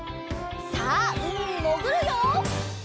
さあうみにもぐるよ！